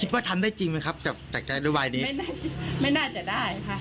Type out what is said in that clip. แล้วคิดว่าทำได้จริงมั้ยครับจัดการระบายนี้ไม่น่าจะได้ค่ะ